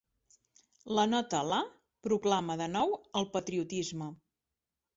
La nota LA proclama de nou el patriotisme.